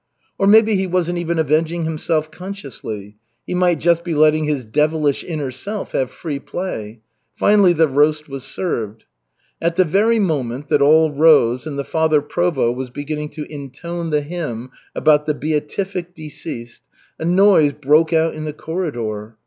Or maybe he wasn't even avenging himself consciously. He might just be letting his devilish inner self have free play. Finally the roast was served. At the very moment that all rose and the Father Provost was beginning to intone the hymn about "the beatific deceased," a noise broke out in the corridor.